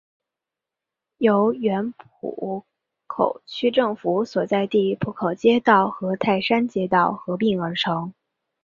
由原浦口区政府所在地浦口街道和泰山街道合并而成。